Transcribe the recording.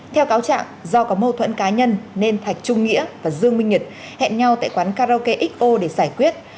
theo cáo trạng do có mâu thuẫn cá nhân nên thạch trung nghĩa và dương minh nhật hẹn nhau tại quán karaoke xo để giải quyết